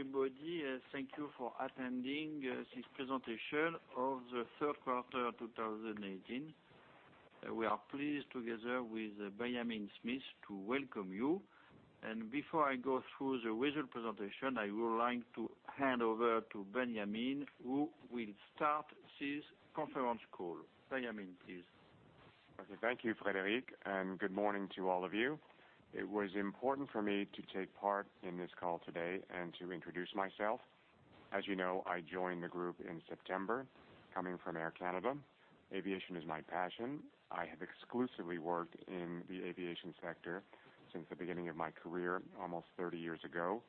Everybody, thank you for attending this presentation of the third quarter 2018. We are pleased, together with Benjamin Smith, to welcome you. Before I go through the result presentation, I would like to hand over to Benjamin, who will start this conference call. Benjamin, please. Okay. Thank you, Frédéric, and good morning to all of you. It was important for me to take part in this call today and to introduce myself. As you know, I joined the group in September, coming from Air Canada. Aviation is my passion. I have exclusively worked in the aviation sector since the beginning of my career almost 30 years ago.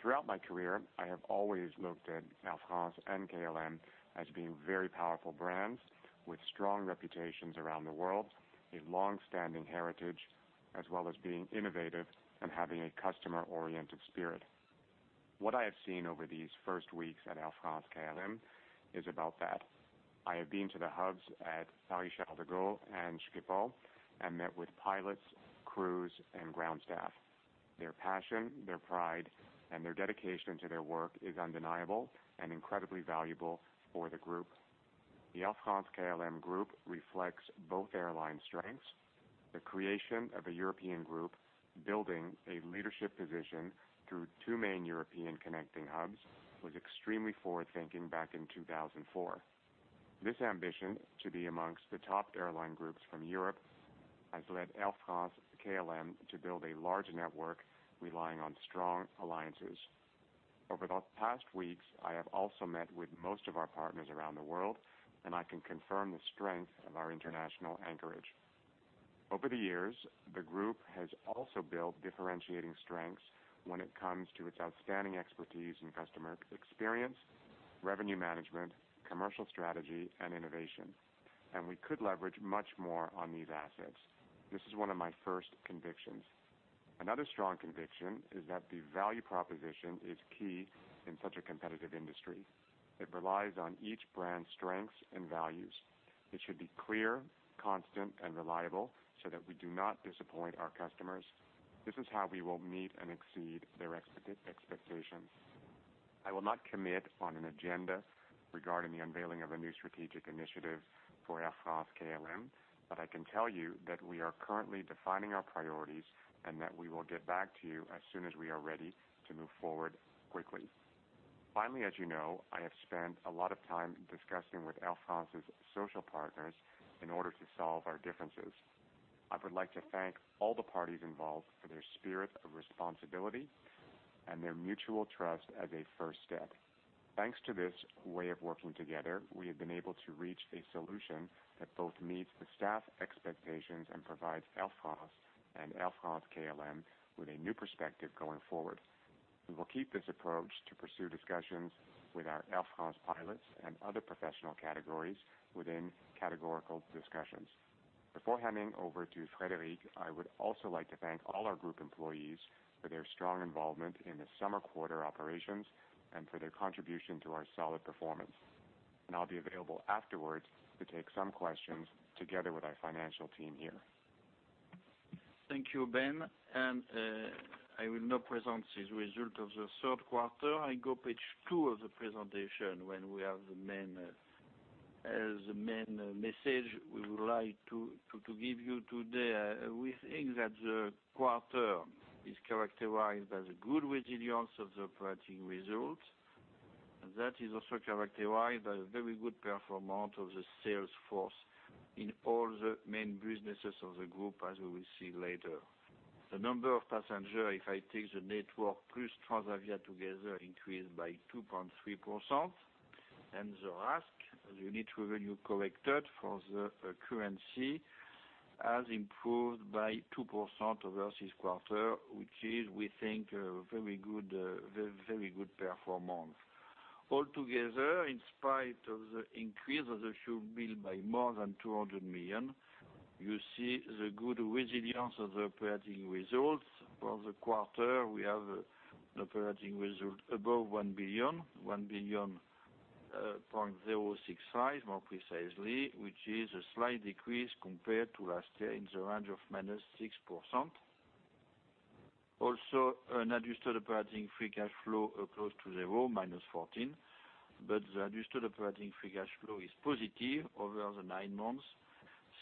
Throughout my career, I have always looked at Air France and KLM as being very powerful brands with strong reputations around the world, a longstanding heritage, as well as being innovative and having a customer-oriented spirit. What I have seen over these first weeks at Air France-KLM is about that. I have been to the hubs at Paris-Charles de Gaulle and Schiphol and met with pilots, crews, and ground staff. Their passion, their pride, and their dedication to their work is undeniable and incredibly valuable for the group. The Air France-KLM group reflects both airline strengths, the creation of a European group, building a leadership position through two main European connecting hubs, was extremely forward-thinking back in 2004. This ambition to be amongst the top airline groups from Europe has led Air France-KLM to build a large network relying on strong alliances. Over the past weeks, I have also met with most of our partners around the world. I can confirm the strength of our international anchorage. Over the years, the group has also built differentiating strengths when it comes to its outstanding expertise in customer experience, revenue management, commercial strategy, and innovation. We could leverage much more on these assets. This is one of my first convictions. Another strong conviction is that the value proposition is key in such a competitive industry. It relies on each brand's strengths and values. It should be clear, constant, and reliable so that we do not disappoint our customers. This is how we will meet and exceed their expectations. I will not commit on an agenda regarding the unveiling of a new strategic initiative for Air France-KLM. I can tell you that we are currently defining our priorities. We will get back to you as soon as we are ready to move forward quickly. Finally, as you know, I have spent a lot of time discussing with Air France's social partners in order to solve our differences. I would like to thank all the parties involved for their spirit of responsibility and their mutual trust as a first step. Thanks to this way of working together, we have been able to reach a solution that both meets the staff expectations and provides Air France and Air France-KLM with a new perspective going forward. We will keep this approach to pursue discussions with our Air France pilots and other professional categories within categorical discussions. Before handing over to Frédéric, I would also like to thank all our group employees for their strong involvement in the summer quarter operations and for their contribution to our solid performance. I will be available afterwards to take some questions together with our financial team here. Thank you, Ben. I will now present this result of the third quarter. I go page two of the presentation, where we have the main message we would like to give you today. We think that the quarter is characterized by the good resilience of the operating results. That is also characterized by a very good performance of the sales force in all the main businesses of the group, as we will see later. The number of passengers, if I take the network plus Transavia together, increased by 2.3%, and the RASK, the unit revenue corrected for the currency, has improved by 2% over this quarter, which is, we think, a very good performance. Altogether, in spite of the increase of the fuel bill by more than 200 million, you see the good resilience of the operating results. For the quarter, we have an operating result above 1 billion, 1.065 billion more precisely, which is a slight decrease compared to last year in the range of -6%. Also, an adjusted operating free cash flow of close to zero, -14 million, but the adjusted operating free cash flow is positive over the nine months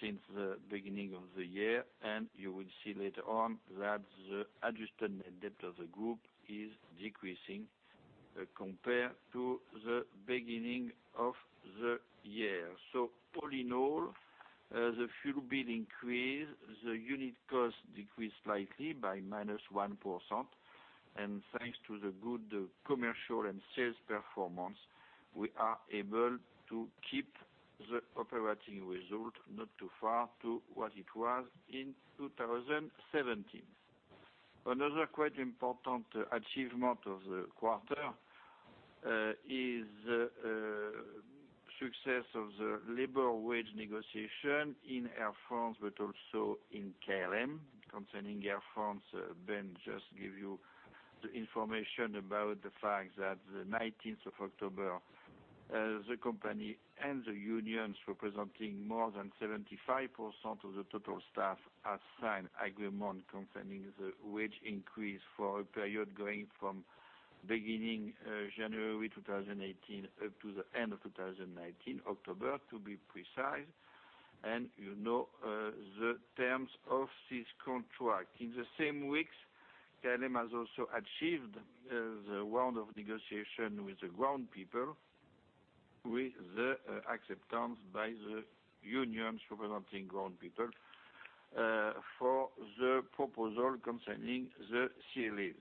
since the beginning of the year, and you will see later on that the adjusted net debt of the group is decreasing compared to the beginning of the year. All in all, as the fuel bill increased, the unit cost decreased slightly by -1%, and thanks to the good commercial and sales performance, we are able to keep the operating result not too far to what it was in 2017. Another quite important achievement of the quarter is the success of the labor wage negotiation in Air France, but also in KLM. Concerning Air France, Ben just gave you the information about the fact that the 19th of October, the company and the unions representing more than 75% of the total staff have signed agreement concerning the wage increase for a period going from beginning January 2018 up to the end of 2019, October, to be precise. You know the terms of this contract. In the same weeks, KLM has also achieved the round of negotiation with the ground people, with the acceptance by the unions representing ground people, for the proposal concerning the CLAs .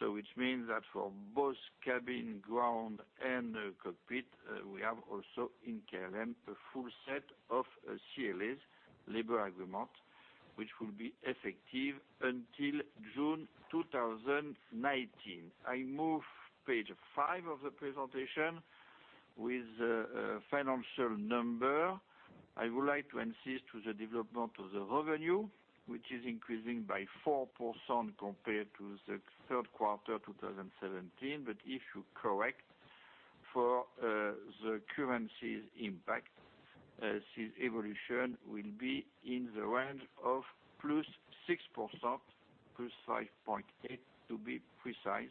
Which means that for both cabin, ground, and cockpit, we have also in KLM, a full set of CLAs labor agreement, which will be effective until June 2019. I move page five of the presentation with the financial number. I would like to insist to the development of the revenue, which is increasing by 4% compared to the third quarter 2017. If you correct for the currency's impact, this evolution will be in the range of +6%, +5.8% to be precise.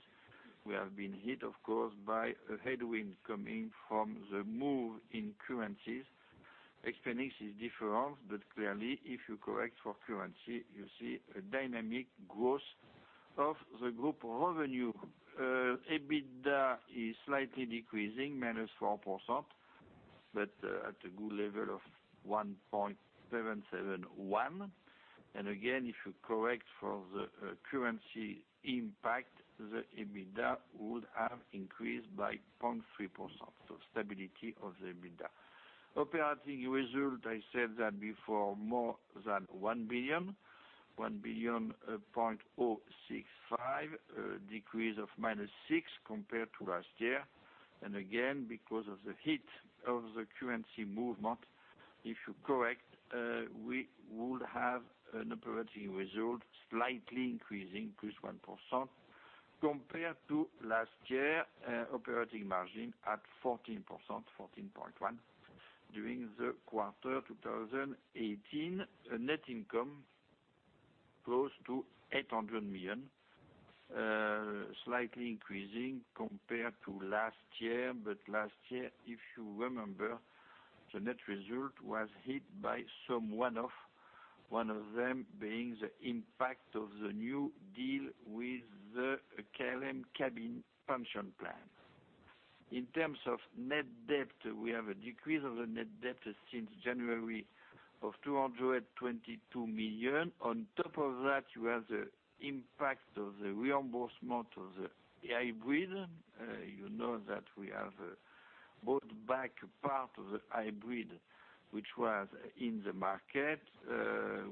We have been hit, of course, by a headwind coming from the move in currencies. Expense is different, but clearly, if you correct for currency, you see a dynamic growth of the group revenue. EBITDA is slightly decreasing, -4%, but at a good level of 1,771. Again, if you correct for the currency impact, the EBITDA would have increased by 0.3%. Stability of the EBITDA. Operating result, I said that before, more than 1 billion. 1.065 billion, a decrease of -6% compared to last year. Again, because of the hit of the currency movement, if you correct, we would have an operating result slightly increasing, +1%, compared to last year. Operating margin at 14%, 14.1%, during the quarter 2018. Net income close to 800 million, slightly increasing compared to last year. Last year, if you remember, the net result was hit by some one-off, one of them being the impact of the new deal with the KLM cabin pension plan. In terms of net debt, we have a decrease of the net debt since January of 222 million. On top of that, you have the impact of the reimbursement of the hybrid. You know that we have bought back part of the hybrid, which was in the market.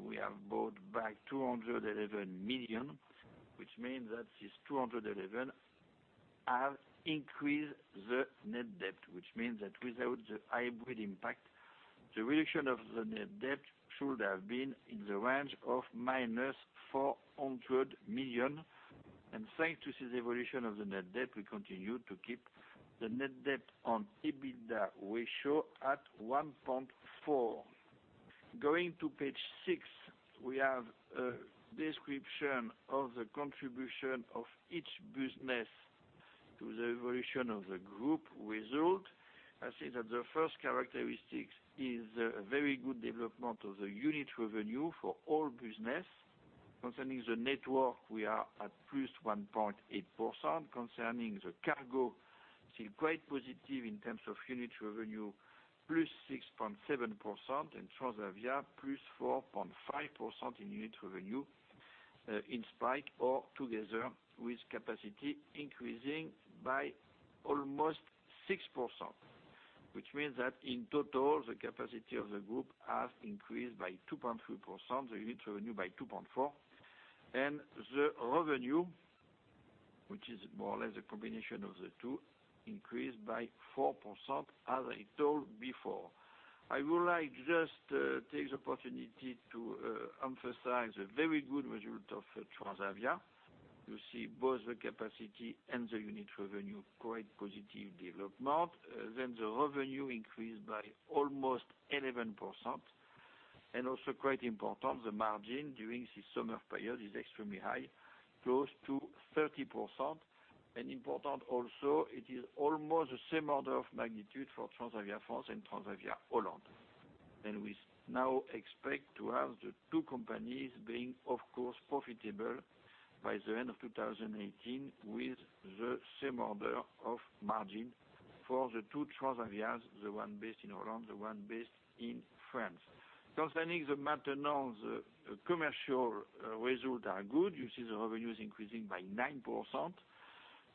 We have bought back 211 million, which means that this 211 have increased the net debt. Which means that without the hybrid impact, the reduction of the net debt should have been in the range of -400 million. Thanks to this evolution of the net debt, we continue to keep the net debt on EBITDA ratio at 1.4. Going to page six, we have a description of the contribution of each business to the evolution of the group result. I say that the first characteristic is a very good development of the unit revenue for all business. Concerning the network, we are at +1.8%. Concerning the cargo, still quite positive in terms of unit revenue, +6.7%. Transavia, +4.5% in unit revenue, in spite or together with capacity increasing by almost 6%. Which means that in total, the capacity of the group has increased by 2.3%, the unit revenue by 2.4%. The revenue, which is more or less a combination of the two, increased by 4%, as I told before. I would like just take the opportunity to emphasize the very good result of Transavia. You see both the capacity and the unit revenue, quite positive development. The revenue increased by almost 11%. Also quite important, the margin during this summer period is extremely high, close to 30%. Important also, it is almost the same order of magnitude for Transavia France and Transavia Holland. We now expect to have the two companies being, of course, profitable by the end of 2018 with the same order of margin for the two Transavias, the one based in Holland, the one based in France. Concerning the maintenance, the commercial results are good. You see the revenue is increasing by 9%.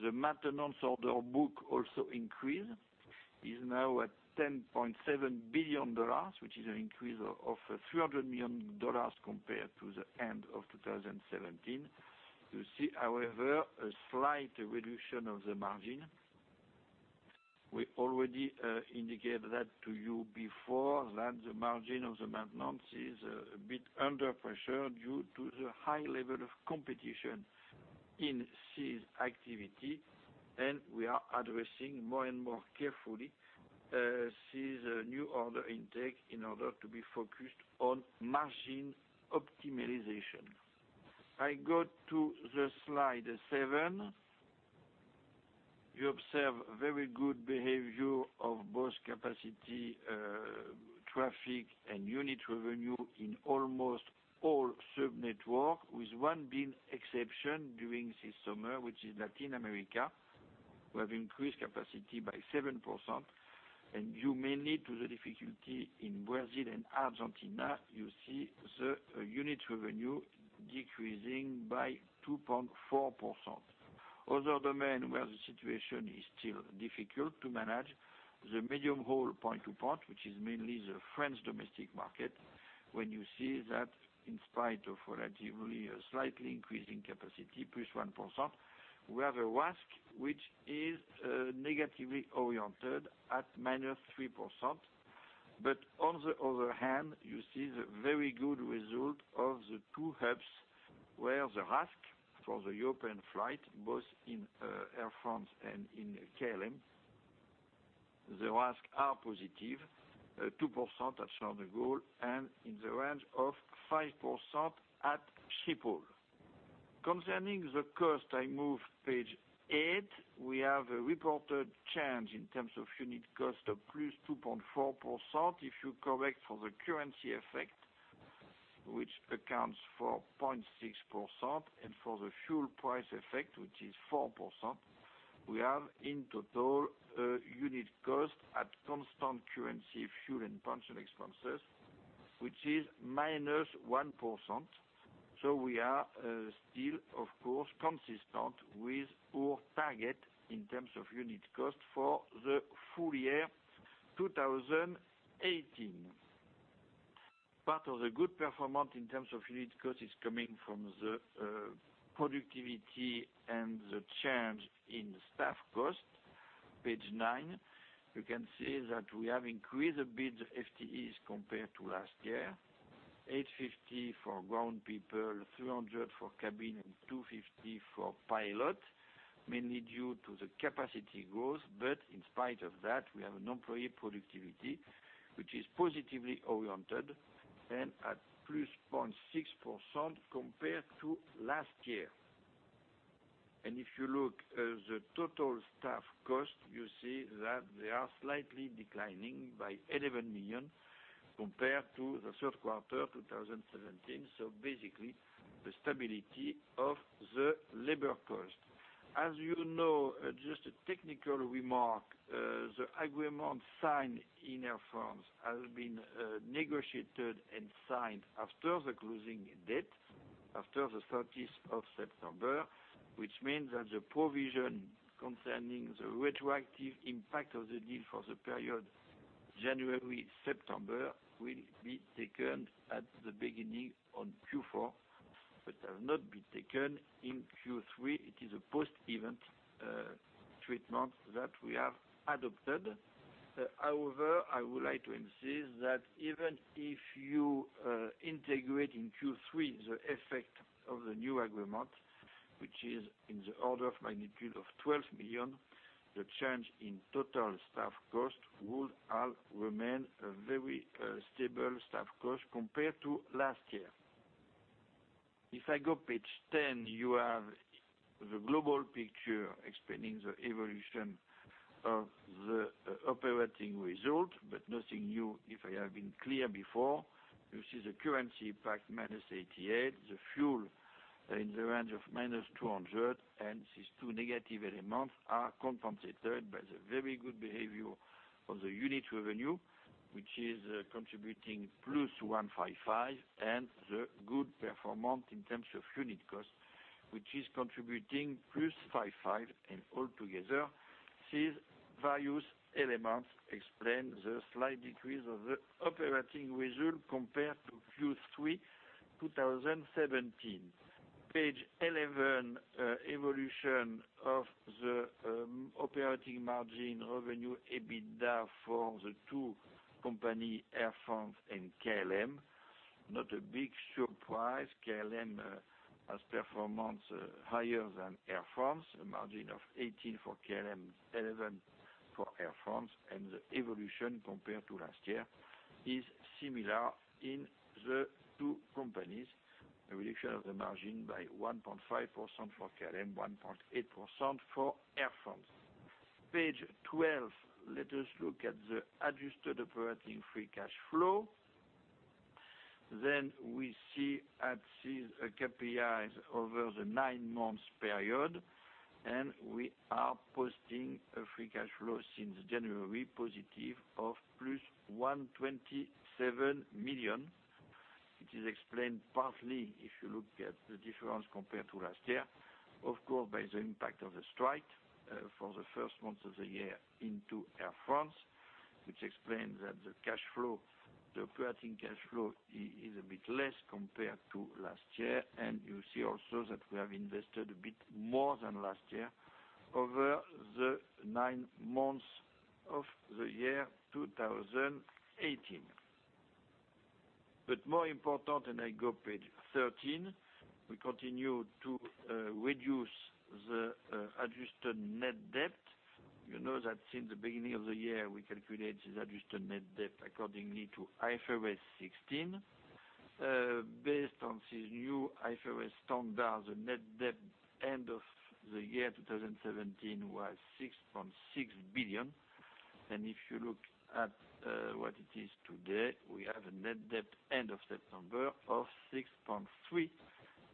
The maintenance order book also increased. It is now at $10.7 billion, which is an increase of $300 million compared to the end of 2017. You see, however, a slight reduction of the margin. We already indicated that to you before, that the margin of the maintenance is a bit under pressure due to the high level of competition in this activity, and we are addressing more and more carefully this new order intake in order to be focused on margin optimization. I go to the slide seven. You observe very good behavior of both capacity, traffic, and unit revenue in almost all subnetwork, with one big exception during this summer, which is Latin America. Due mainly to the difficulty in Brazil and Argentina, you see the unit revenue decreasing by 2.4%. Other domain where the situation is still difficult to manage, the medium haul point-to-point, which is mainly the French domestic market. You see that, in spite of relatively a slightly increasing capacity, +1%, we have a RASK which is negatively oriented at -3%. On the other hand, you see the very good result of the two hubs, where the RASK for the European flight, both in Air France and in KLM, the RASK are positive, 2% at Charles de Gaulle, and in the range of 5% at Schiphol. Concerning the cost, I move page eight. We have a reported change in terms of unit cost of +2.4%. If you correct for the currency effect, which accounts for 0.6%, and for the fuel price effect, which is 4%, we have in total unit cost at constant currency, fuel and pension expenses, which is -1%. We are still, of course, consistent with our target in terms of unit cost for the full year 2018. Part of the good performance in terms of unit cost is coming from the productivity and the change in staff cost. Page nine, you can see that we have increased a bit the FTEs compared to last year, 850 for ground people, 300 for cabin, and 250 for pilot, mainly due to the capacity growth. In spite of that, we have an employee productivity which is positively oriented and at +0.6% compared to last year. If you look at the total staff cost, you see that they are slightly declining by 11 million compared to the third quarter 2017. Basically, the stability of the labor cost. As you know, just a technical remark, the agreement signed in Air France has been negotiated and signed after the closing date, after the 30th of September, which means that the provision concerning the retroactive impact of the deal for the period January-September will be taken at the beginning on Q4, but has not been taken in Q3. It is a post-event treatment that we have adopted. However, I would like to emphasize that even if you integrate in Q3 the effect of the new agreement, which is in the order of magnitude of 12 million, the change in total staff cost would all remain a very stable staff cost compared to last year. If I go page 10, you have the global picture explaining the evolution of the operating result, nothing new if I have been clear before. You see the currency impact, -88, the fuel in the range of -200, and these two negative elements are compensated by the very good behavior of the unit revenue, which is contributing +155, and the good performance in terms of unit cost, which is contributing +55. Altogether, these various elements explain the slight decrease of the operating result compared to Q3 2017. Page 11, evolution of the operating margin revenue, EBITDA for the two company, Air France and KLM. Not a big surprise, KLM has performance higher than Air France, a margin of 18% for KLM, 11% for Air France, and the evolution compared to last year is similar in the two companies. A reduction of the margin by 1.5% for KLM, 1.8% for Air France. Page 12, let us look at the adjusted operating free cash flow. We see at these KPIs over the nine-month period, we are posting a free cash flow since January, positive of +127 million, which is explained partly, if you look at the difference compared to last year, of course, by the impact of the strike for the first months of the year into Air France. Which explains that the operating cash flow is a bit less compared to last year. You see also that we have invested a bit more than last year over the nine months of the year 2018. More important, I go page 13, we continue to reduce the adjusted net debt. You know that since the beginning of the year, we calculate this adjusted net debt accordingly to IFRS 16. Based on this new IFRS standard, the net debt end of the year 2017 was 6.6 billion. If you look at what it is today, we have a net debt end of September of 6.3 billion.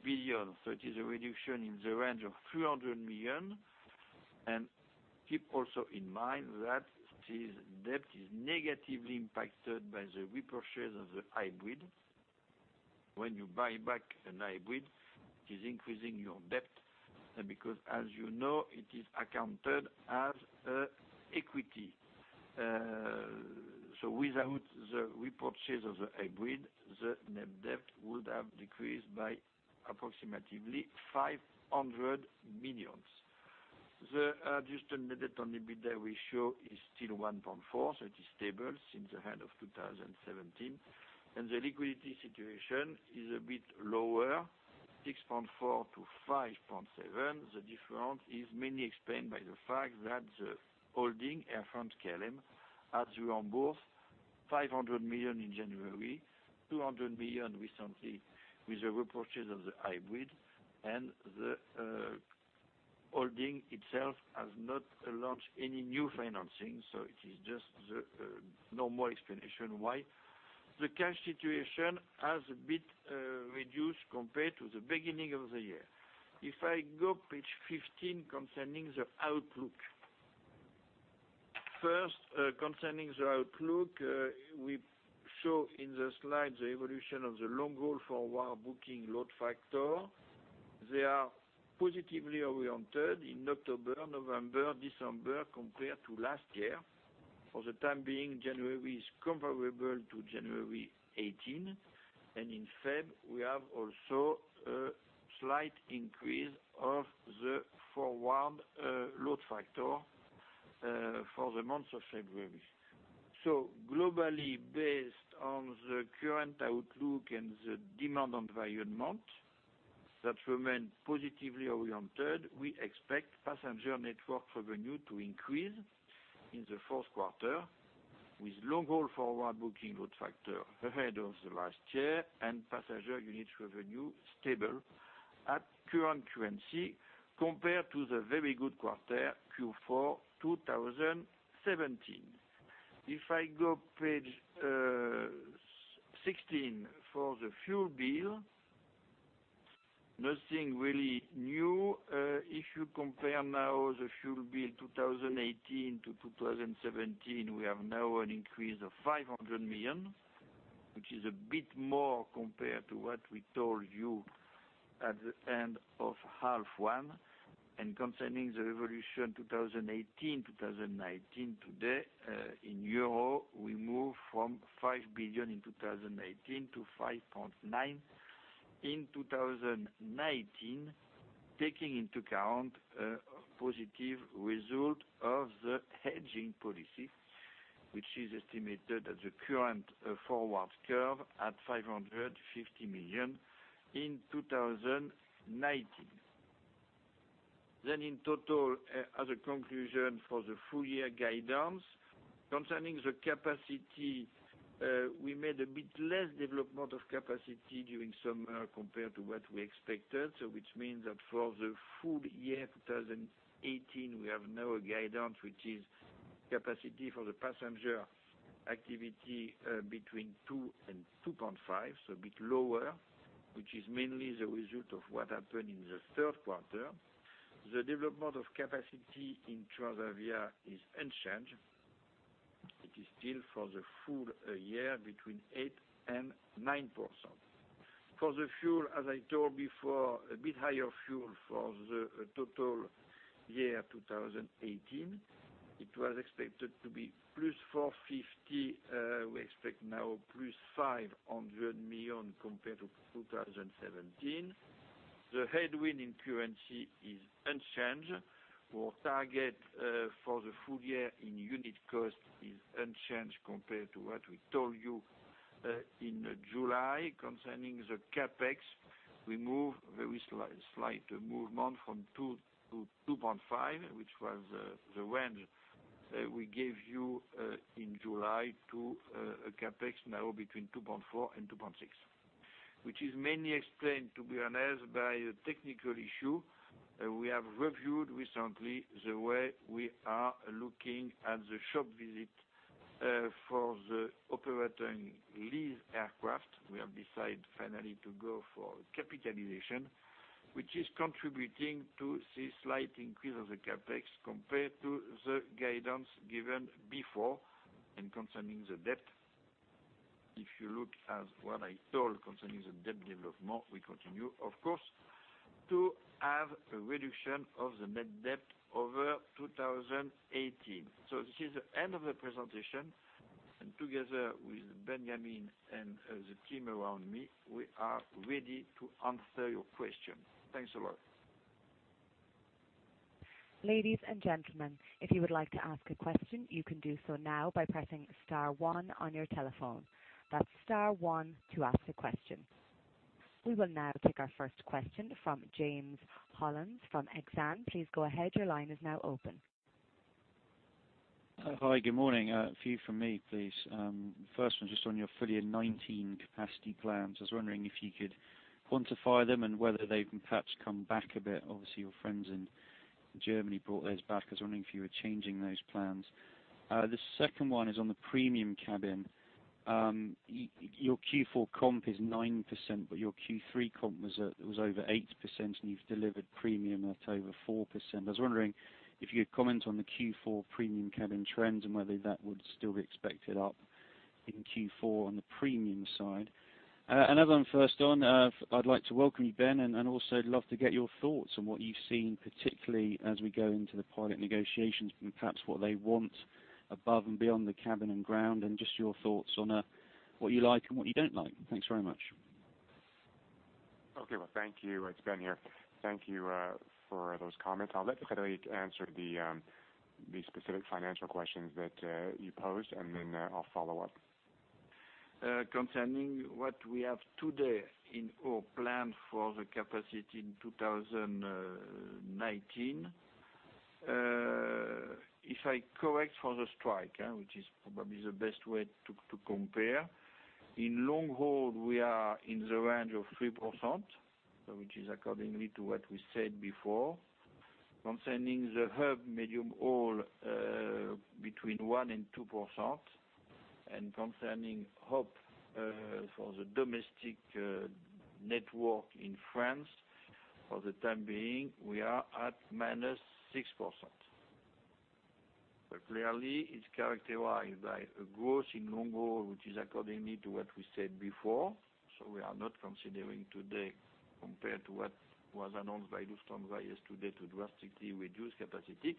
It is a reduction in the range of 300 million. Keep also in mind that this debt is negatively impacted by the repurchase of the hybrid. When you buy back an hybrid, it is increasing your debt, because as you know, it is accounted as equity. Without the repurchase of the hybrid, the net debt would have decreased by approximately 500 million. The adjusted net debt on EBITDA we show is still 1.4x, it is stable since the end of 2017. The liquidity situation is a bit lower, 6.4 billion to 5.7 billion. The difference is mainly explained by the fact that the holding, Air France-KLM, has reimbursed 500 million in January, 200 million recently with the repurchase of the hybrid. The holding itself has not launched any new financing, it is just the normal explanation why. The cash situation has a bit reduced compared to the beginning of the year. If I go page 15 concerning the outlook. First, concerning the outlook, we show in the slide the evolution of the long-haul forward booking load factor. They are positively oriented in October, November, December, compared to last year. For the time being, January is comparable to January 2018, in Feb, we have also a slight increase of the forward load factor for the month of February. globally, based on the current outlook and the demand environment that remain positively oriented, we expect passenger network revenue to increase in the fourth quarter, with long-haul forward booking load factor ahead of last year and passenger unit revenue stable at current currency compared to the very good quarter Q4 2017. If I go page 16 for the fuel bill, nothing really new. If you compare now the fuel bill 2018 to 2017, we have now an increase of 500 million, which is a bit more compared to what we told you at the end of half one. Concerning the evolution 2018-2019 today, in EUR, we move from 5 billion in 2018 to 5.9 in 2019, taking into account a positive result of the hedging policy, which is estimated at the current forward curve at 550 million in 2019. In total, as a conclusion for the full year guidance, concerning the capacity, we made a bit less development of capacity during summer compared to what we expected. Which means that for the full year 2018, we have now a guidance which is capacity for the passenger activity between 2% and 2.5%, so a bit lower, which is mainly the result of what happened in the third quarter. The development of capacity in Transavia is unchanged. It is still for the full year between 8% and 9%. For the fuel, as I told before, a bit higher fuel for the total year 2018. It was expected to be +450, we expect now +500 million compared to 2017. The headwind in currency is unchanged. Our target for the full year in unit cost is unchanged compared to what we told you in July. Concerning the CapEx, very slight movement from 2-2.5, which was the range that we gave you in July, to a CapEx now between 2.4 and 2.6, which is mainly explained, to be honest, by a technical issue. We have reviewed recently the way we are looking at the shop visit for the operating lease aircraft. We have decided finally to go for capitalization, which is contributing to this slight increase of the CapEx compared to the guidance given before. If you look at what I told concerning the debt development, we continue, of course, to have a reduction of the net debt over 2018. This is the end of the presentation, and together with Benjamin and the team around me, we are ready to answer your questions. Thanks a lot. Ladies and gentlemen, if you would like to ask a question, you can do so now by pressing star one on your telephone. That's star one to ask a question. We will now take our first question from James Hollins from Exane. Please go ahead. Your line is now open. Hi. Good morning. A few from me, please. First one, just on your full year 2019 capacity plans. I was wondering if you could quantify them and whether they've perhaps come back a bit. Obviously, your friends in Germany brought theirs back. I was wondering if you were changing those plans. The second one is on the premium cabin. Your Q4 comp is 9%, but your Q3 comp was over 8%, and you've delivered premium at over 4%. I was wondering if you could comment on the Q4 premium cabin trends and whether that would still be expected up in Q4 on the premium side. Another one first on, I'd like to welcome you, Ben. Also love to get your thoughts on what you've seen, particularly as we go into the pilot negotiations. Perhaps what they want above and beyond the cabin and ground, just your thoughts on what you like and what you don't like. Thanks very much. Okay, well, thank you. It's Ben here. Thank you for those comments. I'll let Frédéric answer the specific financial questions that you posed. Then I'll follow up. Concerning what we have today in our plan for the capacity in 2019. If I correct for the strike, which is probably the best way to compare. In long haul, we are in the range of 3%, which is accordingly to what we said before. Concerning the hub medium haul, between 1% and 2%. Concerning hub for the domestic network in France, for the time being, we are at -6%. Clearly, it's characterized by a growth in long haul, which is accordingly to what we said before. We are not considering today, compared to what was announced by Lufthansa yesterday, to drastically reduce capacity.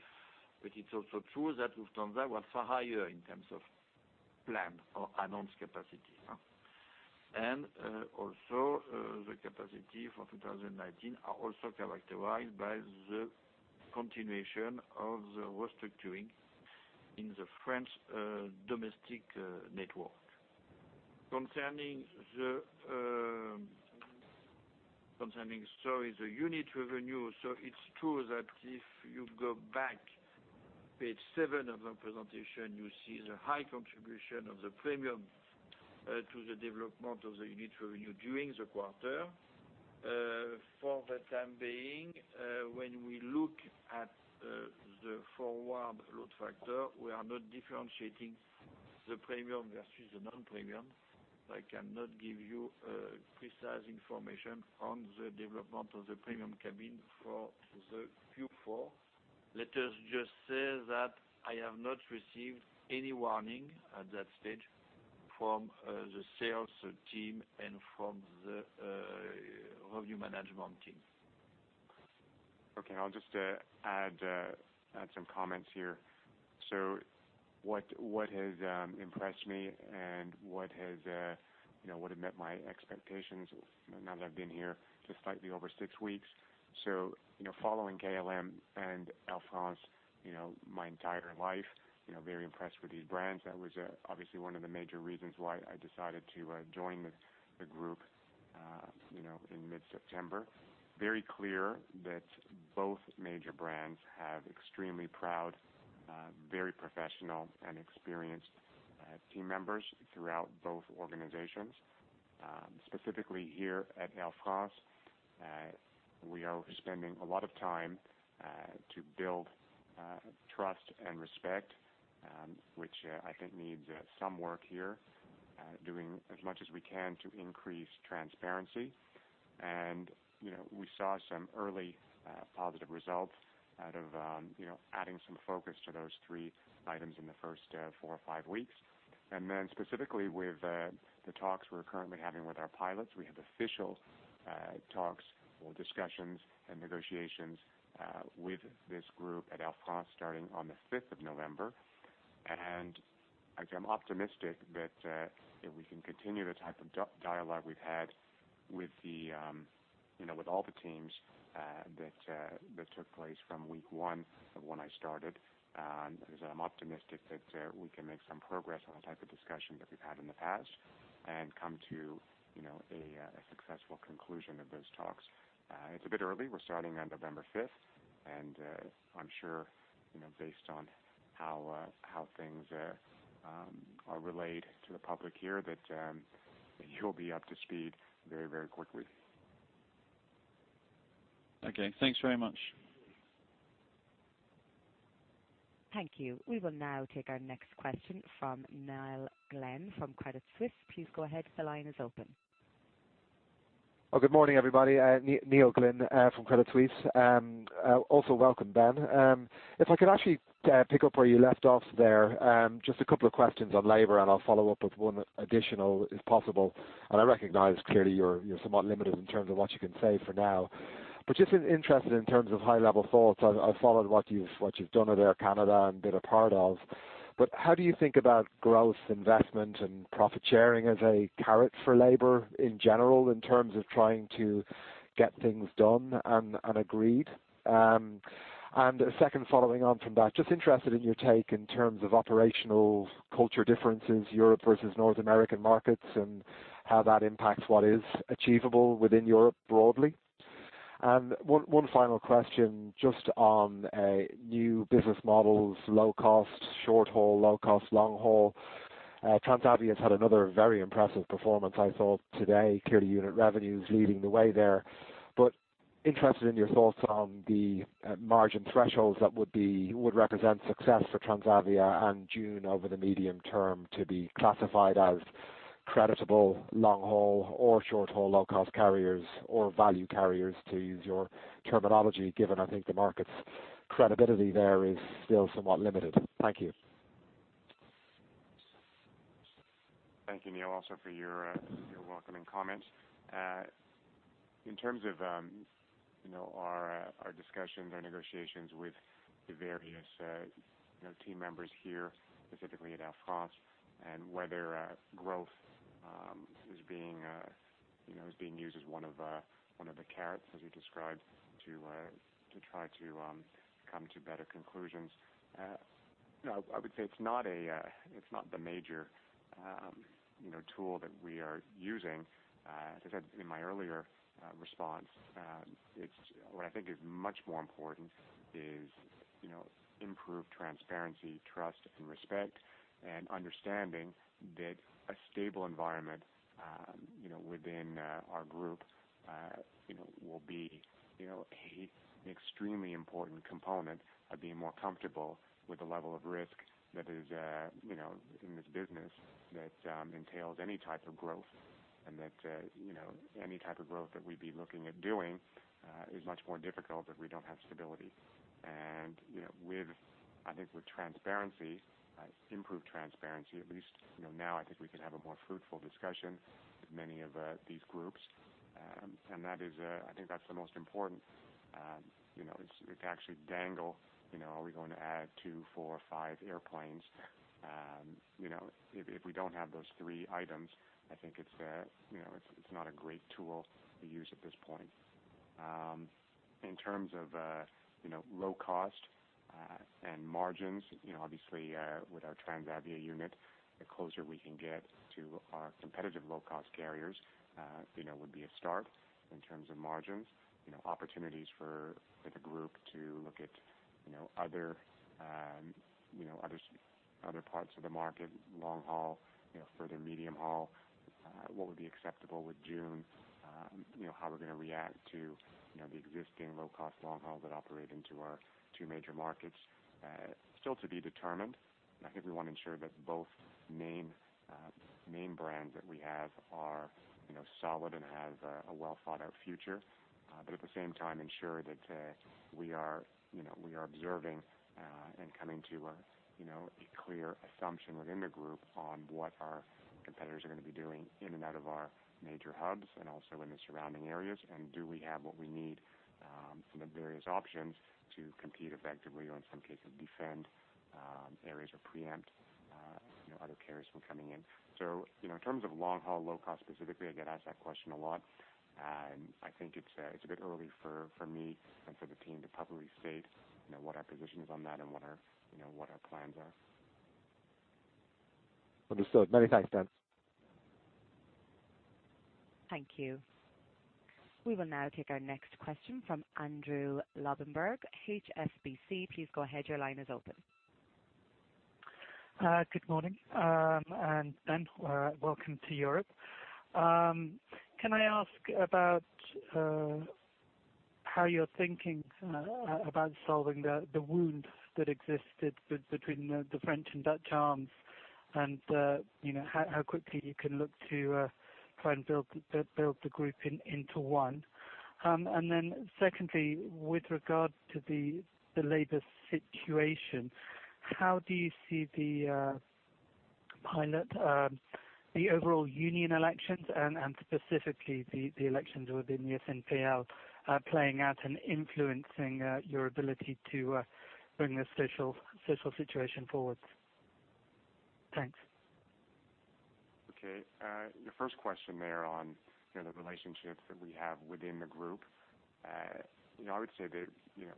It's also true that Lufthansa was far higher in terms of planned or announced capacity. Also, the capacity for 2019 are also characterized by the continuation of the restructuring in the French domestic network. Concerning sorry, the unit revenue. It's true that if you go back page seven of the presentation, you see the high contribution of the premium to the development of the unit revenue during the quarter. For the time being, when we look at the forward load factor, we are not differentiating the premium versus the non-premium. I cannot give you precise information on the development of the premium cabin for the Q4. Let us just say that I have not received any warning at that stage from the sales team and from the revenue management team. Okay. I'll just add some comments here. What has impressed me and what has met my expectations now that I've been here just slightly over six weeks. Following KLM and Air France my entire life, very impressed with these brands. That was obviously one of the major reasons why I decided to join the group in mid-September. Very clear that both major brands have extremely proud, very professional, and experienced team members throughout both organizations. Specifically here at Air France, we are spending a lot of time to build trust and respect, which I think needs some work here. Doing as much as we can to increase transparency. We saw some early positive results out of adding some focus to those three items in the first four or five weeks. Then specifically with the talks we're currently having with our pilots. We have official talks or discussions and negotiations with this group at Air France starting on the 5th of November. I'm optimistic that if we can continue the type of dialogue we've had with all the teams that took place from week one when I started, I'm optimistic that we can make some progress on the type of discussion that we've had in the past and come to a successful conclusion of those talks. It's a bit early. We're starting on November 5th, I'm sure based on how things are relayed to the public here, that you'll be up to speed very, very quickly. Okay. Thanks very much. Thank you. We will now take our next question from Neil Glynn from Credit Suisse. Please go ahead. The line is open. Good morning, everybody. Neil Glynn from Credit Suisse. Also welcome, Ben. If I could actually pick up where you left off there, just a couple of questions on labor, I'll follow up with 1 additional, if possible. I recognize clearly you're somewhat limited in terms of what you can say for now, but just interested in terms of high-level thoughts. I've followed what you've done at Air Canada and been a part of. How do you think about growth investment and profit-sharing as a carrot for labor in general, in terms of trying to get things done and agreed? A second following on from that, just interested in your take in terms of operational culture differences, Europe versus North American markets, and how that impacts what is achievable within Europe broadly. 1 final question just on new business models, low-cost, short-haul, low-cost, long-haul. Transavia has had another very impressive performance, I saw today, clearly unit revenues leading the way there. Interested in your thoughts on the margin thresholds that would represent success for Transavia and Joon over the medium term to be classified as creditable long-haul or short-haul low-cost carriers or value carriers, to use your terminology, given, I think the market's credibility there is still somewhat limited. Thank you. Thank you, Neil, also for your welcoming comments. In terms of our discussions, our negotiations with the various team members here, specifically at Air France, whether growth is being used as 1 of the carrots, as you described, to try to come to better conclusions. I would say it's not the major tool that we are using. As I said in my earlier response, what I think is much more important is improved transparency, trust and respect, understanding that a stable environment within our group will be an extremely important component of being more comfortable with the level of risk that is in this business that entails any type of growth. That any type of growth that we'd be looking at doing is much more difficult if we don't have stability. I think with transparency, improved transparency, at least now I think we can have a more fruitful discussion with many of these groups. I think that's the most important. To actually dangle, are we going to add two, four, five airplanes? If we don't have those three items, I think it's not a great tool to use at this point. In terms of low cost and margins, obviously, with our Transavia unit, the closer we can get to our competitive low-cost carriers would be a start in terms of margins. Opportunities for the group to look at other parts of the market, long haul, further medium haul. What would be acceptable with Joon? How we're going to react to the existing low-cost long haul that operate into our two major markets. Still to be determined. I think we want to ensure that both main brands that we have are solid and have a well-thought-out future. At the same time, ensure that we are observing and coming to a clear assumption within the group on what our competitors are going to be doing in and out of our major hubs and also in the surrounding areas. Do we have what we need from the various options to compete effectively or in some cases, defend areas or preempt other carriers from coming in. In terms of long haul, low cost specifically, I get asked that question a lot. I think it's a bit early for me and for the team to publicly state what our position is on that and what our plans are. Understood. Many thanks, Ben. Thank you. We will now take our next question from Andrew Lobbenberg, HSBC. Please go ahead. Your line is open. Good morning. Ben, welcome to Europe. Can I ask about how you're thinking about solving the wound that existed between the French and Dutch arms, and how quickly you can look to try and build the group into one? Secondly, with regard to the labor situation, how do you see the pilot, the overall union elections, and specifically the elections within the SNPL, playing out and influencing your ability to bring this social situation forward? Thanks. Your first question there on the relationships that we have within the group. I would say that a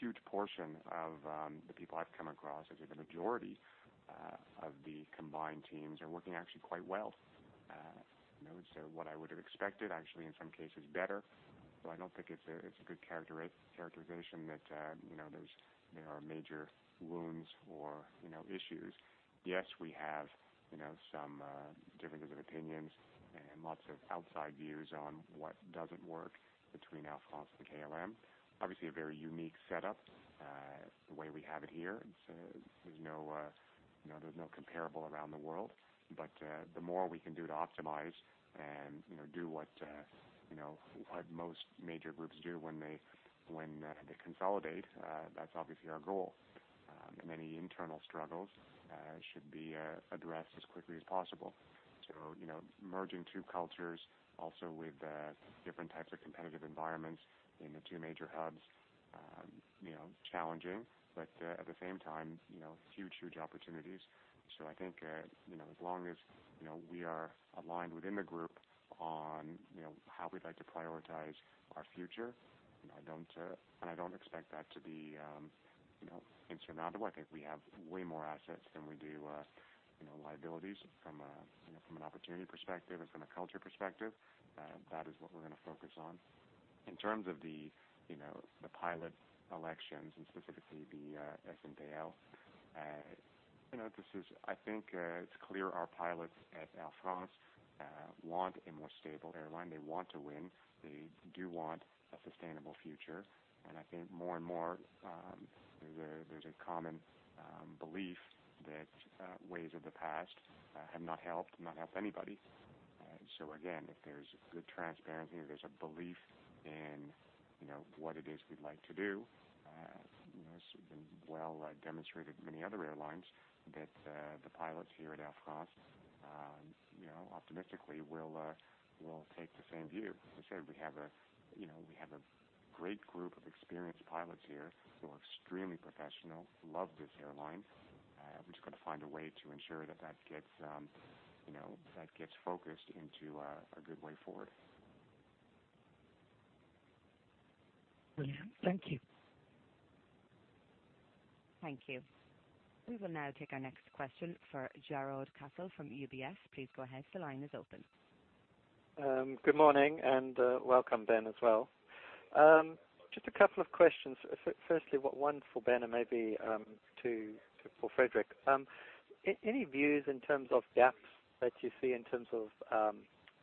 huge portion of the people I've come across, I'd say the majority of the combined teams are working actually quite well. What I would have expected, actually, in some cases better. I don't think it's a good characterization that there are major wounds or issues. Yes, we have some differences of opinions and lots of outside views on what does and works between Air France and KLM. Obviously, a very unique setup the way we have it here. There's no comparable around the world. The more we can do to optimize and do what most major groups do when they consolidate, that's obviously our goal. Many internal struggles should be addressed as quickly as possible. Merging two cultures also with different types of competitive environments in the two major hubs, challenging. At the same time, huge opportunities. I think, as long as we are aligned within the group on how we'd like to prioritize our future, and I don't expect that to be insurmountable. I think we have way more assets than we do liabilities from an opportunity perspective and from a culture perspective. That is what we're going to focus on. In terms of the pilot elections, and specifically the SNPL, I think it's clear our pilots at Air France want a more stable airline. They want to win. They do want a sustainable future. I think more and more, there's a common belief that ways of the past have not helped anybody. Again, if there's good transparency, there's a belief in what it is we'd like to do, it's been well demonstrated in many other airlines that the pilots here at Air France, optimistically will take the same view. As I said, we have a great group of experienced pilots here who are extremely professional, love this airline. We've just got to find a way to ensure that gets focused into a good way forward. Brilliant. Thank you. Thank you. We will now take our next question for Jarrod Castle from UBS. Please go ahead. The line is open. Good morning, and welcome, Ben, as well. Just a couple of questions. Firstly, one for Ben and maybe for Frédéric. Any views in terms of gaps that you see in terms of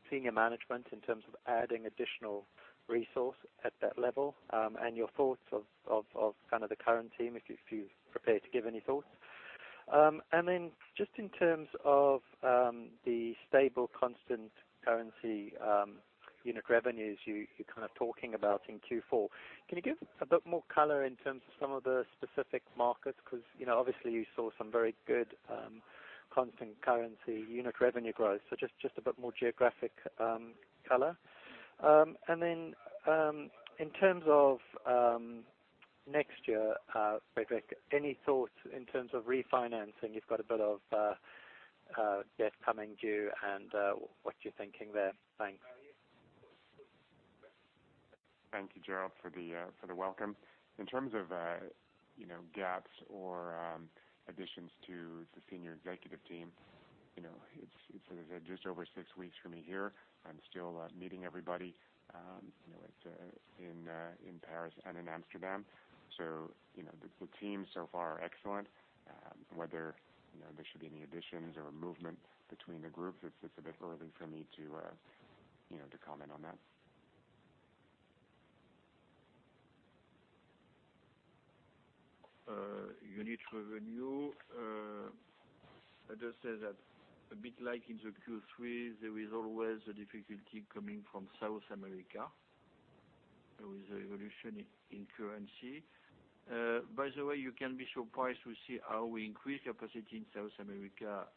senior management, in terms of adding additional resource at that level, and your thoughts of the current team, if you're prepared to give any thoughts? Just in terms of the stable constant currency unit revenues you're talking about in Q4, can you give a bit more color in terms of some of the specific markets? Because obviously you saw some very good constant currency unit revenue growth, just a bit more geographic color. In terms of next year, Frédéric, any thoughts in terms of refinancing? You've got a bit of debt coming due and what you're thinking there. Thanks. Thank you, Jarrod, for the welcome. In terms of gaps or additions to the senior executive team, it's just over six weeks for me here. I'm still meeting everybody in Paris and in Amsterdam. The team so far are excellent. Whether there should be any additions or movement between the groups, it's a bit early for me to comment on that. Unit revenue, I'd just say that a bit like in the Q3, there is always a difficulty coming from South America with the evolution in currency. By the way, you can be surprised to see how we increase capacity in South America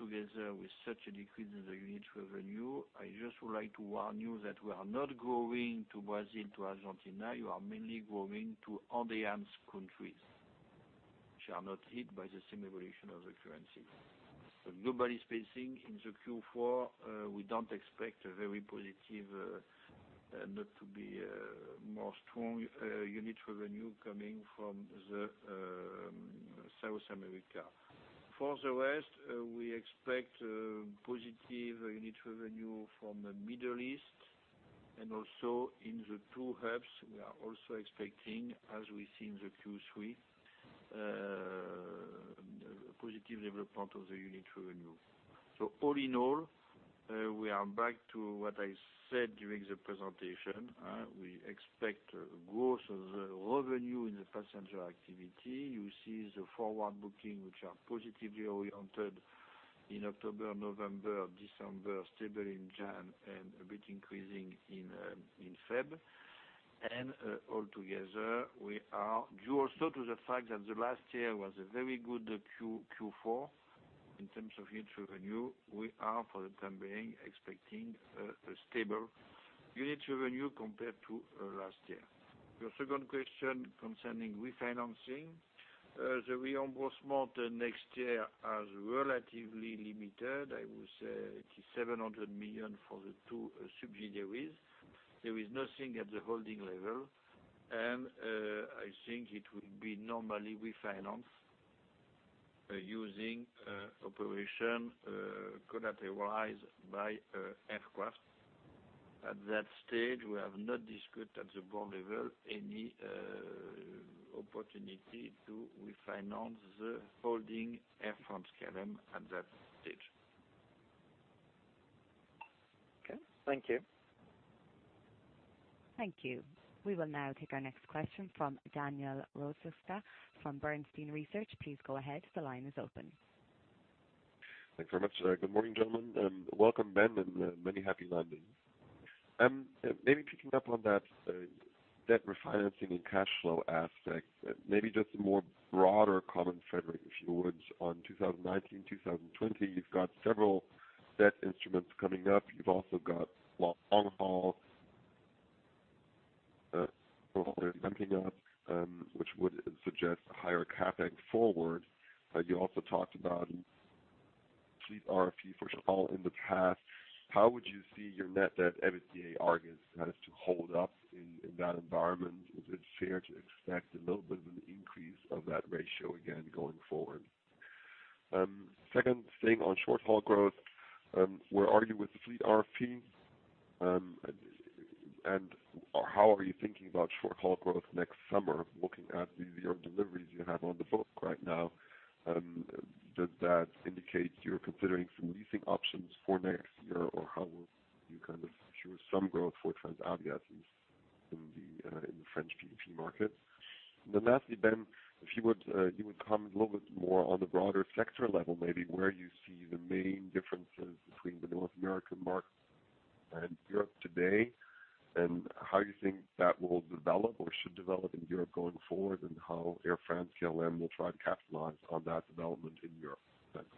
together with such a decrease in the unit revenue. I just would like to warn you that we are not growing to Brazil, to Argentina. We are mainly growing to Andean countries, which are not hit by the same evolution of the currency. Globally speaking in the Q4, we don't expect a very positive, not to be more strong unit revenue coming from the South America. For the rest, we expect positive unit revenue from the Middle East and also in the two hubs, we are also expecting, as we see in the Q3, a positive development of the unit revenue. All in all, we are back to what I said during the presentation. We expect growth of the revenue in the passenger activity. You see the forward booking, which are positively oriented in October, November, December, stable in January, and a bit increasing in February. Altogether, we are due also to the fact that the last year was a very good Q4 in terms of unit revenue. We are, for the time being, expecting a stable unit revenue compared to last year. Your second question concerning refinancing. The reimbursement next year is relatively limited. I would say it is 700 million for the two subsidiaries. There is nothing at the holding level, and I think it will be normally refinanced using operation collateralized by aircraft. At that stage, we have not discussed at the board level any opportunity to refinance the holding Air France-KLM at that stage. Okay, thank you. Thank you. We will now take our next question from Daniel Roeska from Bernstein Research. Please go ahead. The line is open. Thanks very much. Good morning, gentlemen, and welcome, Ben, and many happy landings. Maybe picking up on that debt refinancing and cash flow aspect, maybe just a more broader common thread, if you would, on 2019, 2020. You've got several debt instruments coming up. You've also got long-haul ramping up, which would suggest a higher CapEx forward. You also talked about fleet RFP for short-haul in the past. How would you see your net debt EBITDA, our net debt, kind of to hold up in that environment? Is it fair to expect a little bit of an increase of that ratio again going forward? Second thing on short-haul growth, where are you with the fleet RFP? How are you thinking about short-haul growth next summer, looking at your deliveries you have on the book right now? Does that indicate you're considering some leasing options for next year? How will you kind of ensure some growth for Transavia in the French point-to-point market? Lastly, Ben, if you would comment a little bit more on the broader sector level, maybe where you see the main differences between the North American market and Europe today, and how you think that will develop or should develop in Europe going forward, and how Air France-KLM will try to capitalize on that development in Europe. Thanks.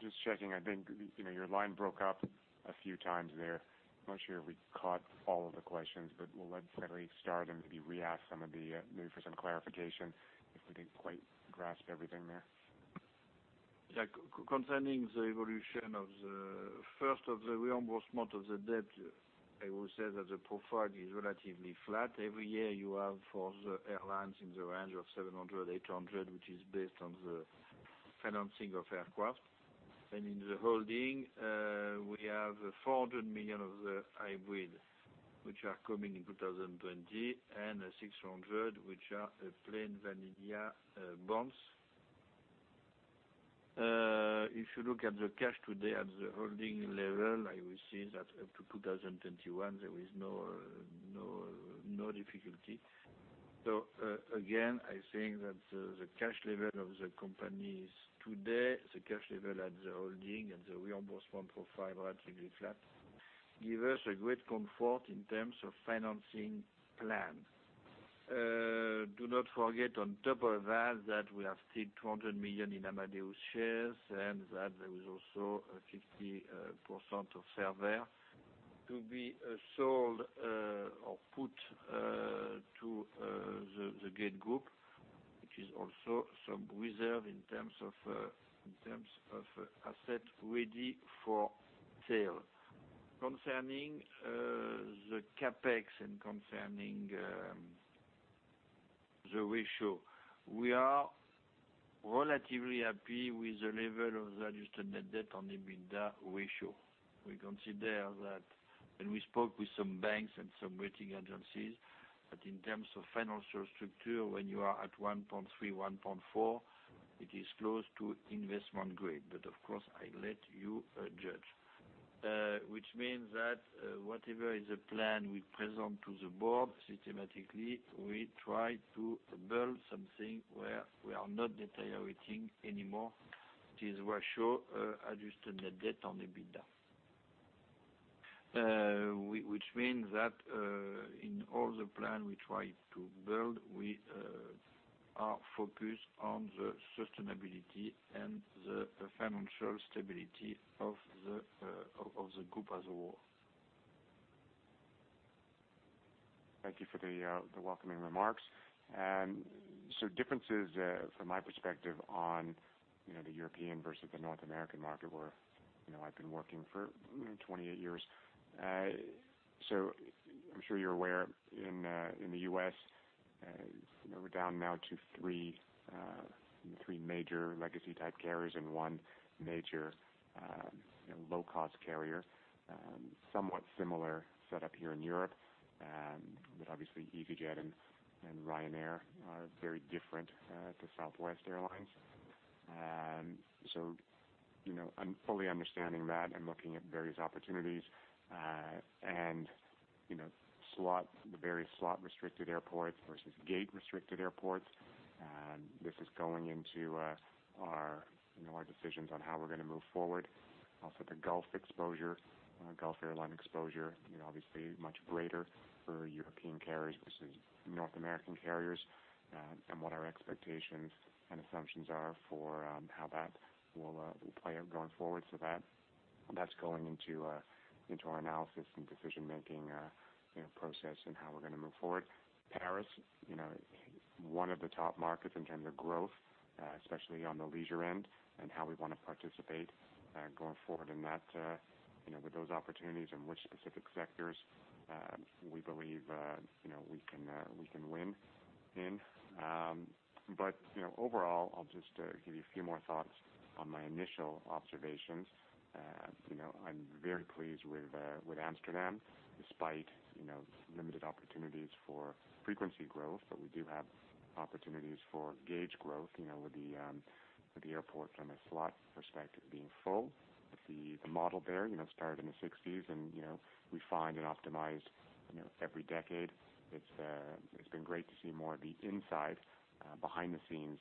Just checking. I think your line broke up a few times there. I'm not sure if we caught all of the questions, but we'll let Freddy start and maybe re-ask some of the, maybe for some clarification, if we didn't quite grasp everything there. Yeah. Concerning the evolution of the first of the reimbursement of the debt, I will say that the profile is relatively flat. Every year you have for the airlines in the range of 700-800, which is based on the financing of aircraft. In the holding, we have 400 million of the hybrid, which are coming in 2020, and 600 million, which are plain vanilla bonds. If you look at the cash today at the holding level, I will see that up to 2021, there is no difficulty. Again, I think that the cash level of the company is today, the cash level at the holding and the reimbursement profile, relatively flat, give us a great comfort in terms of financing plan. Do not forget on top of that we have still 200 million in Amadeus shares and that there is also a 50% of Servair to be sold or put to the Gategroup, which is also some reserve in terms of asset ready for sale. Concerning the CapEx and concerning the ratio. We are relatively happy with the level of the adjusted net debt on EBITDA ratio. We consider that, and we spoke with some banks and some rating agencies, that in terms of financial structure, when you are at 1.3, 1.4, it is close to investment grade. Of course, I let you judge. Which means that whatever is the plan we present to the board, systematically, we try to build something where we are not deteriorating anymore this ratio, adjusted net debt on EBITDA. Which means that in all the plan we try to build, we are focused on the sustainability and the financial stability of the group as a whole. Thank you for the welcoming remarks. Differences from my perspective on the European versus the North American market, where I've been working for 28 years. I'm sure you're aware, in the U.S., we're down now to three major legacy type carriers and one major low-cost carrier. Somewhat similar set up here in Europe. Obviously EasyJet and Ryanair are very different to Southwest Airlines. I'm fully understanding that and looking at various opportunities. The various slot-restricted airports versus gate-restricted airports. This is going into our decisions on how we're going to move forward. Also, the Gulf exposure, Gulf Airline exposure, obviously much greater for European carriers versus North American carriers, and what our expectations and assumptions are for how that will play out going forward. That's going into our analysis and decision-making process and how we're going to move forward. Paris, one of the top markets in terms of growth, especially on the leisure end and how we want to participate going forward in that, with those opportunities and which specific sectors we believe we can win in. Overall, I'll just give you a few more thoughts on my initial observations. I'm very pleased with Amsterdam, despite limited opportunities for frequency growth, but we do have opportunities for gauge growth, with the airport from a slot perspective being full. With the model there, started in the '60s and refined and optimized every decade. It's been great to see more of the inside, behind the scenes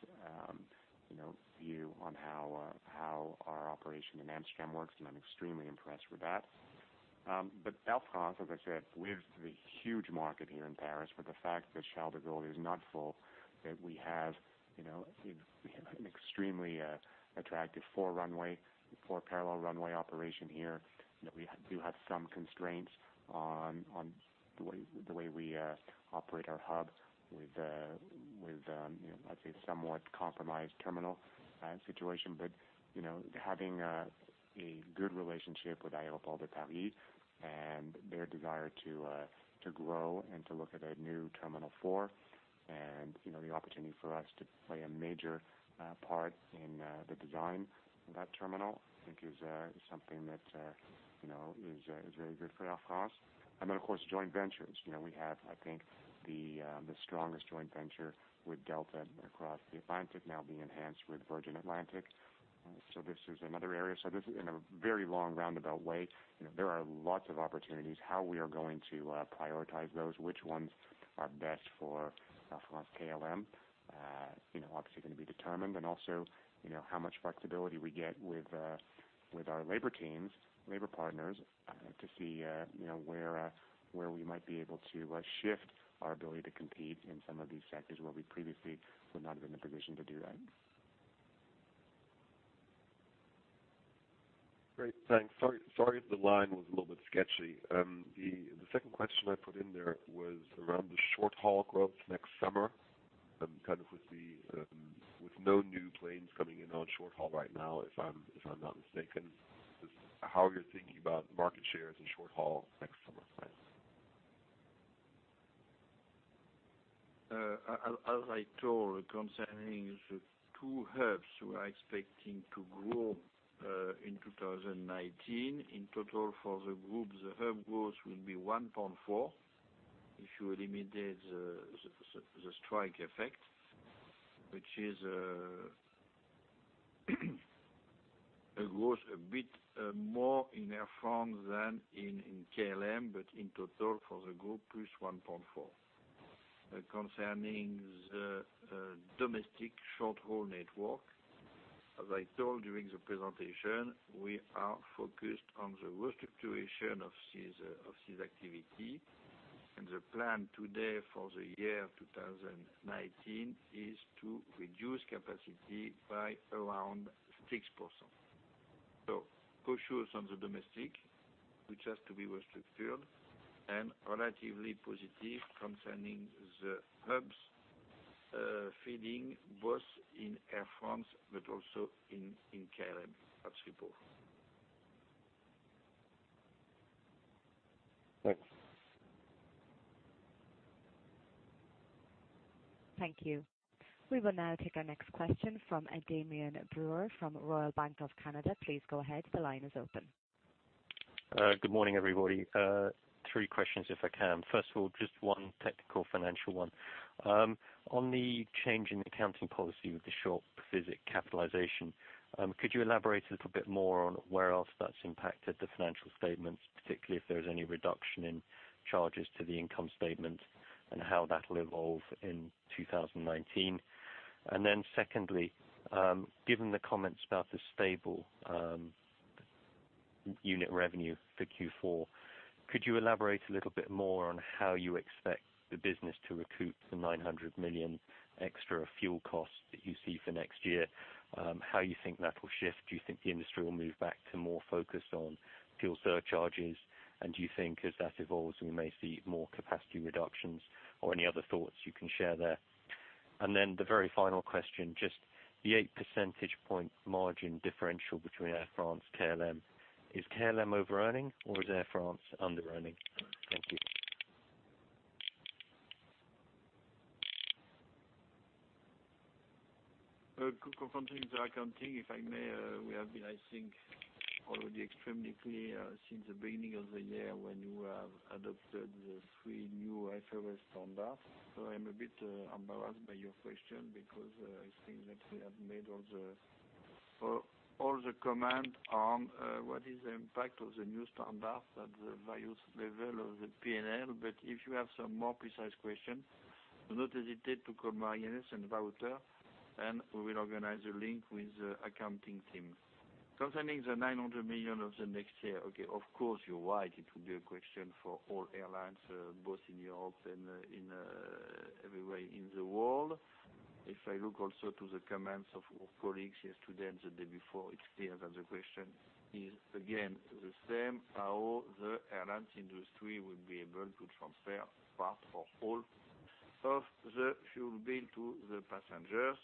view on how our operation in Amsterdam works, and I'm extremely impressed with that. Air France, as I said, with the huge market here in Paris, with the fact that Schiphol is not full, that we have an extremely attractive four parallel runway operation here, that we do have some constraints on the way we operate our hub with, I'd say somewhat compromised terminal situation. Having a good relationship with Aéroports de Paris and their desire to grow and to look at a new terminal four, and the opportunity for us to play a major part in the design of that terminal, I think is something that is very good for Air France. Of course, joint ventures. We have, I think the strongest joint venture with Delta across the Atlantic now being enhanced with Virgin Atlantic. This is another area. This is in a very long roundabout way, there are lots of opportunities. How we are going to prioritize those, which ones are best for Air France-KLM, obviously going to be determined. Also, how much flexibility we get with our labor teams, labor partners, to see where we might be able to shift our ability to compete in some of these sectors where we previously were not in the position to do that. Great. Thanks. Sorry if the line was a little bit sketchy. The second question I put in there was around the short-haul growth next summer, kind of with no new planes coming in on short-haul right now if I'm not mistaken. Just how you're thinking about market shares in short-haul next summer. As I told, concerning the two hubs we are expecting to grow in 2019. In total for the group, the hub growth will be 1.4%. If you eliminate the strike effect, which is growth a bit more in Air France than in KLM, but in total for the group, plus 1.4%. Concerning the domestic short-haul network, as I told during the presentation, we are focused on the restructuration of this activity, the plan today for 2019 is to reduce capacity by around 6%. Cautious on the domestic, which has to be restructured and relatively positive concerning the hubs, feeding both in Air France but also in KLM at Schiphol. Thanks. Thank you. We will now take our next question from Damian Brewer from Royal Bank of Canada. Please go ahead. The line is open. Good morning, everybody. Three questions if I can. First of all, just one technical financial one. On the change in accounting policy with the shop visits capitalization, could you elaborate a little bit more on where else that's impacted the financial statements, particularly if there is any reduction in charges to the income statement and how that will evolve in 2019? Secondly, given the comments about the stable unit revenue for Q4, could you elaborate a little bit more on how you expect the business to recoup the 900 million extra fuel costs that you see for next year? How you think that will shift? Do you think the industry will move back to more focus on fuel surcharges? Do you think as that evolves, we may see more capacity reductions or any other thoughts you can share there? The very final question, just the eight percentage point margin differential between Air France-KLM. Is KLM over earning or is Air France under earning? Thank you. Confronting the accounting, if I may, we have been, I think already extremely clear since the beginning of the year when we have adopted the three new IFRS standards. I'm a bit embarrassed by your question because I think that we have made all the comment on what is the impact of the new standard at the various level of the P&L. If you have some more precise question, do not hesitate to call Marie-Agnès and Wouter, and we will organize a link with the accounting team. Concerning the 900 million of the next year. Okay, of course, you're right. It will be a question for all airlines, both in Europe and everywhere in the world. If I look also to the comments of our colleagues yesterday and the day before, it's clear that the question is again, the same. How the airlines industry will be able to transfer part or whole of the fuel bill to the passengers.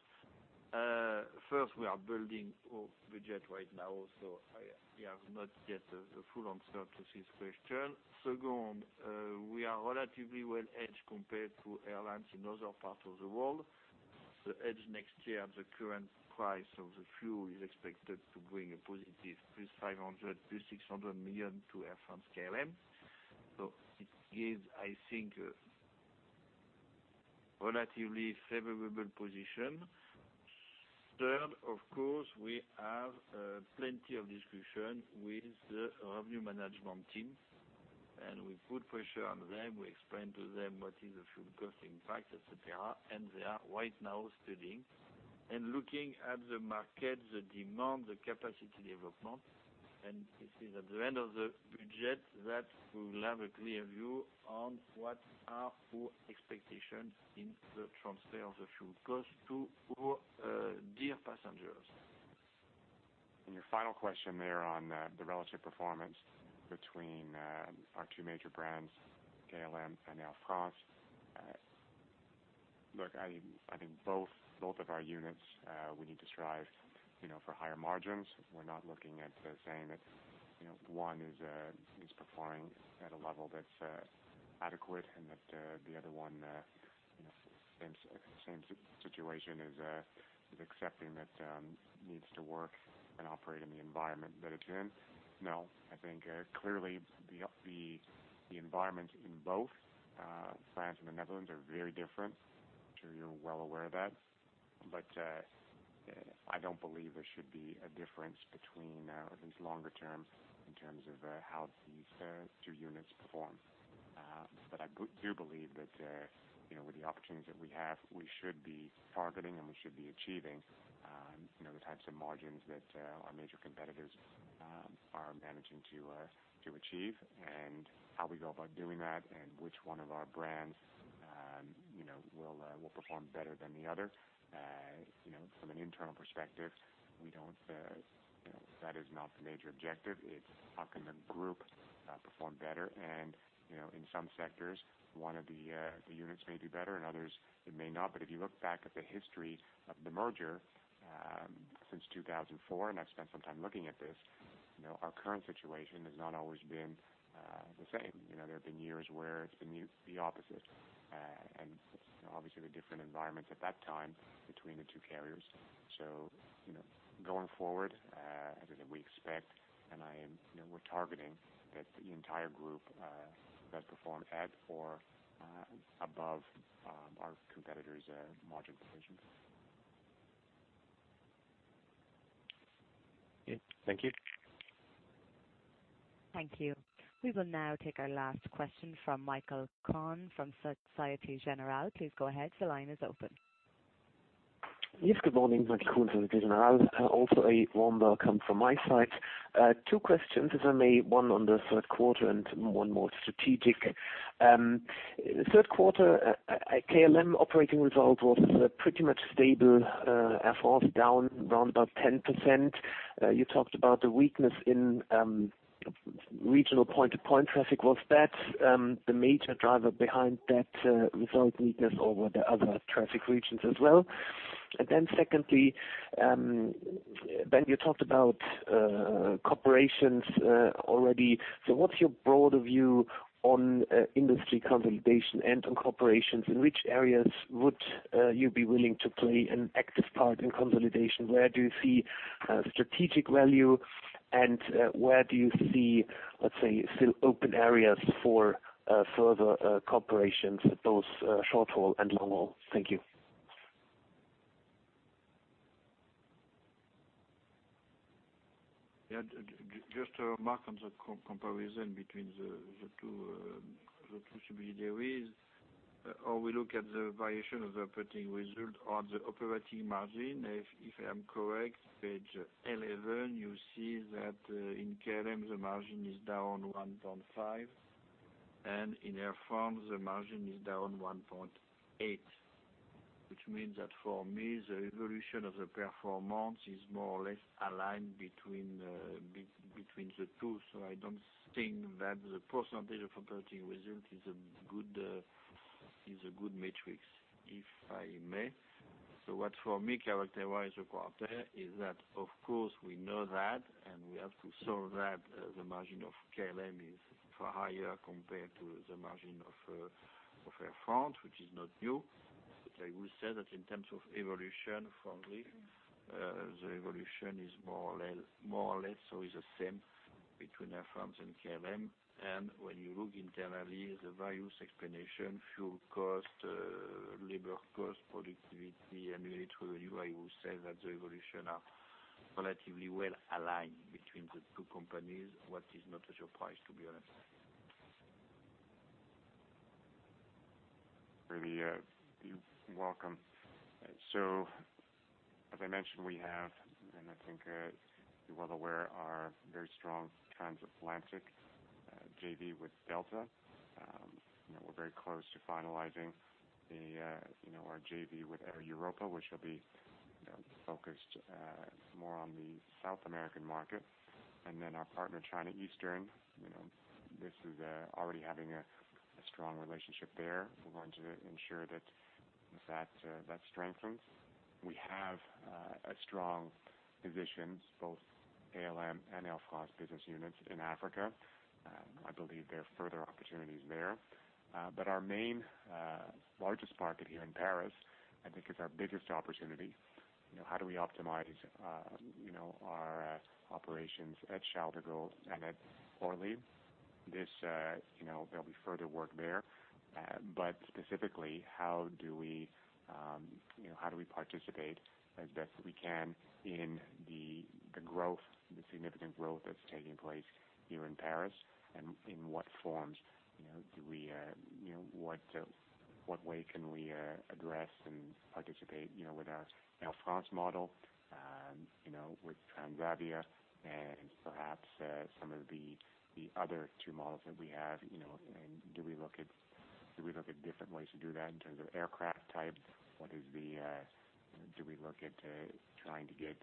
First, we are building our budget right now, we have not yet a full answer to this question. Second, we are relatively well hedged compared to airlines in other parts of the world. The hedge next year at the current price of the fuel is expected to bring a positive plus 500 million, plus 600 million to Air France-KLM. It gives, I think, relatively favorable position. Third, of course, we have plenty of discussion with the revenue management team, and we put pressure on them. We explain to them what is the fuel cost impact, et cetera. They are right now studying and looking at the market, the demand, the capacity development. It is at the end of the budget that we will have a clear view on what are our expectations in the transfer of the fuel cost to our dear passengers. Your final question there on the relative performance between our two major brands, KLM and Air France. Look, I think both of our units we need to strive for higher margins. We're not looking at saying that one is performing at a level that's adequate and that the other one, same situation is accepting that it needs to work and operate in the environment that it's in. No, I think clearly the environment in both France and the Netherlands are very different. I'm sure you're well aware of that, but I don't believe there should be a difference between, at least longer term, in terms of how these two units perform. I do believe that with the opportunities that we have, we should be targeting, and we should be achieving the types of margins that our major competitors are managing to achieve and how we go about doing that and which one of our brands will perform better than the other. From an internal perspective that is not the major objective. It's how can the group perform better and in some sectors, one of the units may do better, and others it may not. If you look back at the history of the merger, since 2004, and I've spent some time looking at this, our current situation has not always been the same. There have been years where it's been the opposite, and obviously the different environments at that time between the two carriers. Going forward, as we expect, and we're targeting that the entire group does perform at or above our competitors' margin positions. Okay. Thank you. Thank you. We will now take our last question from Michael Kuhn from Societe Generale. Please go ahead. The line is open. Yes, good morning. Michael Kuhn from Societe Generale. Also, a warm welcome from my side. Two questions, if I may. One on the third quarter and one more strategic. Third quarter KLM operating result was pretty much stable. Air France down around about 10%. You talked about the weakness in regional point-to-point traffic. Was that the major driver behind that result weakness over the other traffic regions as well? Secondly, Ben, you talked about cooperations already. What's your broader view on industry consolidation and on cooperations? In which areas would you be willing to play an active part in consolidation? Where do you see strategic value, and where do you see, let's say, still open areas for further cooperations, both short haul and long haul? Thank you. Just a remark on the comparison between the two subsidiaries, or we look at the variation of the operating result or the operating margin. If I am correct, page 11, you see that in KLM, the margin is down 1.5, and in Air France, the margin is down 1.8, which means that for me, the evolution of the performance is more or less aligned between the two. I don't think that the percentage of operating result is a good metric, if I may. What for me characterize the quarter is that, of course, we know that, and we have to solve that. The margin of KLM is far higher compared to the margin of Air France, which is not new. I will say that in terms of evolution, for me, the evolution is more or less always the same between Air France and KLM. When you look internally, the various explanation, fuel cost, labor cost, productivity, and unit revenue, I will say that the evolution are relatively well aligned between the two companies. What is not a surprise, to be honest. You're welcome. As I mentioned, we have, and I think you're well aware, our very strong transatlantic JV with Delta. We're very close to finalizing our JV with Air Europa, which will be focused more on the South American market. Our partner, China Eastern, this is already having a strong relationship there. We want to ensure that that strengthens. We have a strong position, both KLM and Air France business units in Africa. I believe there are further opportunities there. Our main, largest market here in Paris, I think is our biggest opportunity. How do we optimize our operations at Charles de Gaulle and at Orly? There'll be further work there. Specifically, how do we participate as best we can in the significant growth that's taking place here in Paris, and in what forms? What way can we address and participate with our Air France model, with Transavia and perhaps, some of the other two models that we have. Do we look at different ways to do that in terms of aircraft type? Do we look at trying to get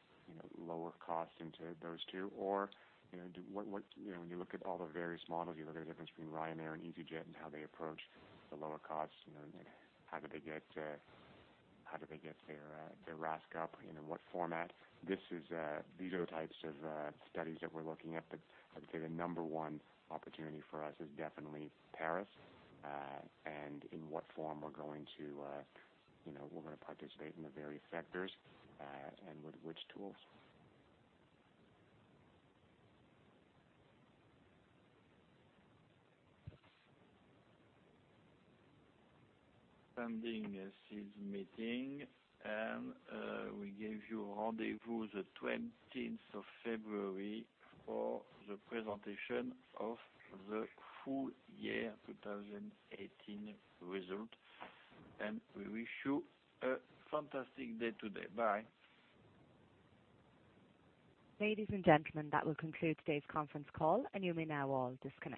lower cost into those two, or when you look at all the various models, you look at the difference between Ryanair and EasyJet and how they approach the lower costs. How do they get their RASK up? In what format? These are the types of studies that we're looking at, I would say the number one opportunity for us is definitely Paris, and in what form we're going to participate in the various sectors, and with which tools. Ending this meeting, we give you rendezvous the 20th of February for the presentation of the full year 2018 result. We wish you a fantastic day today. Bye. Ladies and gentlemen, that will conclude today's conference call and you may now all disconnect.